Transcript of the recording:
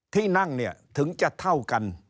ที่นั่งถึงจะเท่ากัน